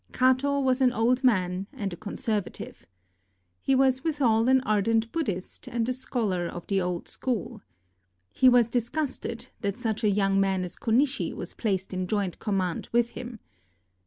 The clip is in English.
Kato was an old man and a con servative. He was withal an ardent Buddhist and a scholar of the old school. He was disgusted that such a young man as Konishi was placed in joint command with him.